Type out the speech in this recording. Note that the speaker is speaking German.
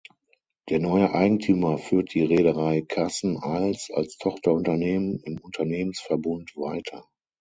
Der neue Eigentümer führt die Reederei Cassen Eils als Tochterunternehmen im Unternehmensverbund weiter.